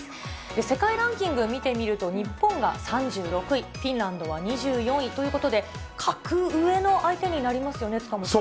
世界ランキングを見てみると、日本が３６位、フィンランドは２４位ということで、格上の相手になりますよね、塚本さん。